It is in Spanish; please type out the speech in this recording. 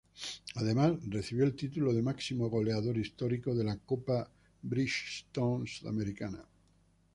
Además recibió el título de "Máximo Goleador Histórico de la Copa Bridgestone Sudamericana.